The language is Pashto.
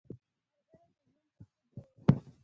ملګری د ژوند خوښي ډېروي.